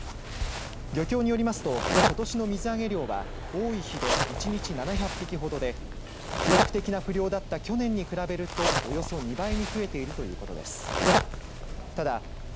漁協によりますとことしの水揚げ量は多い日で１日７００匹ほどで記録的な不漁だった去年に比べるとおよそ２倍に増えているということです。